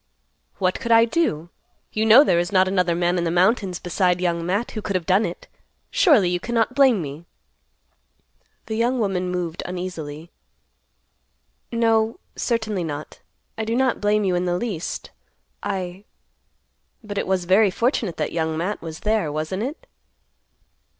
"What could I do? You know there is not another man in the mountains beside Young Matt who could have done it. Surely you cannot blame me." The young woman moved uneasily, "No, certainly not. I do not blame you in the least. I—but it was very fortunate that Young Matt was there, wasn't it?"